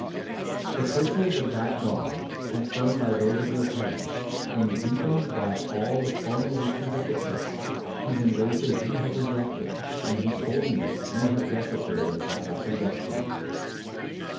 The curses of that God, confirmed by those of your parents, and deepened by all the fulminations of the church, whose embraces you have rejected, and whose holiness you have desecrated by that rejection.'